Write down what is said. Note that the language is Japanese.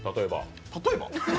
例えば？